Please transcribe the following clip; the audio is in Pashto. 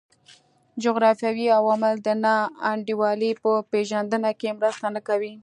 جغرافیوي عوامل د نا انډولۍ په پېژندنه کې مرسته نه کوي.